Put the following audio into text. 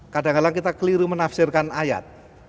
kadang kadang kita keliru menafsirkan ayat